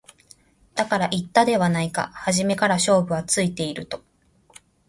だから言ったではないか初めから勝負はついていると